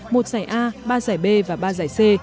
một giải a ba giải b và ba giải c